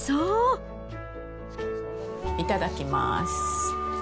いただきます。